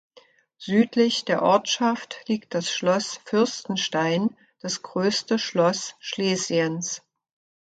Südlich der Ortschaft liegt das Schloss Fürstenstein, das größte Schloss Schlesiens.